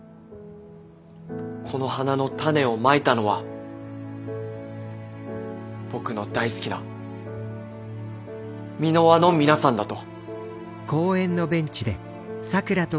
この花の種を撒いたのは僕の大好きな美ノ和の皆さんだと。